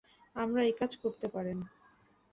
আমরা এই কাজ করতে পারেন!